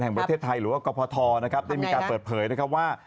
แห่งประเทศไทยหรือกระพะทอเล้งมีการเติดเพย์ว่า